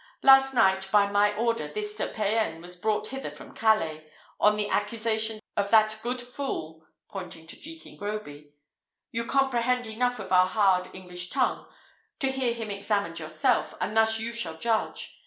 Last night, by my order, this Sir Payan was brought hither from Calais, on the accusations of that good fool (pointing to Jekin Groby). You comprehend enough of our hard English tongue to hear him examined yourself, and thus you shall judge.